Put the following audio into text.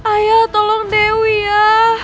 ayah tolong dewi ya